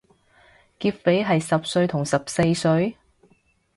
劫匪係十歲同十四歲？